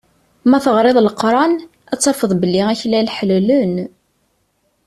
Ma teɣriḍ Leqran, ad tafeḍ belli aklan ḥellelen.